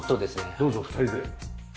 どうぞ２人で。